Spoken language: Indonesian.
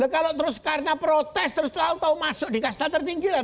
kalau terus karena protes terus tahu tahu masuk di kasta tertinggi lah